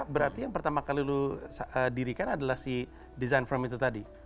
berarti yang pertama kali lu dirikan adalah si desain firm itu tadi